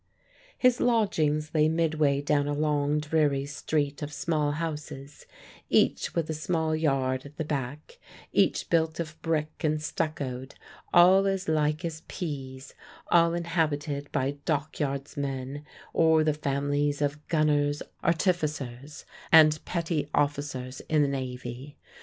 His lodgings lay midway down a long, dreary street of small houses, each with a small yard at the back, each built of brick and stuccoed, all as like as peas, all inhabited by dockyardsmen or the families of gunners, artificers, and petty officers in the navy.